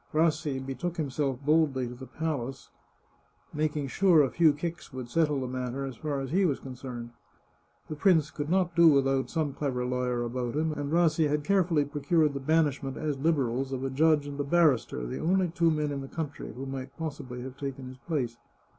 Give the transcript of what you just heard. Rassi betook himself boldly to the palace, making sure a few kicks would settle the matter as far as he was concerned. The prince could not do without some clever lawyer about him, and Rassi had carefully procured the banishment, as Liberals, of a judge and a barrister, the only two men in the country who might possibly have taken his place.